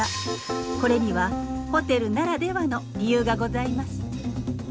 これにはホテルならではの理由がございます。